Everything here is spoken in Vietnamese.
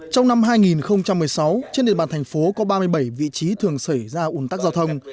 trong năm hai nghìn một mươi sáu trên địa bàn thành phố có ba mươi bảy vị trí thường xảy ra ủn tắc giao thông